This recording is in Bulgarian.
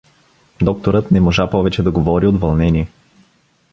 Докторът не можа повече да говори от вълнение.